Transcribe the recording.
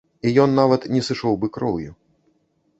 І ён нават не сышоў бы кроўю.